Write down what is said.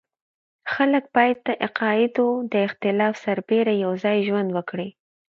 خلک باید د عقایدو د اختلاف سربېره یو ځای ژوند وکړي.